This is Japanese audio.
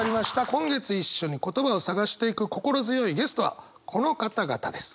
今月一緒に言葉を探していく心強いゲストはこの方々です。